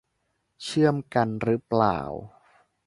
เชื่อมกันรึเปล่า